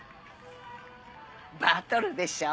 バトルでしょ？